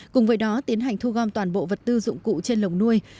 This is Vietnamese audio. cùng với đó tiến hành thu gom toàn bộ vật tư dụng cụ trên lồng nuôi